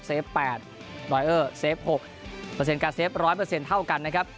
เซฟ๘นอยเอ้อเซฟ๖เปอร์เซ็นต์การเซฟ๑๐๐เท่ากันนะครับ